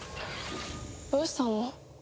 どうしたの？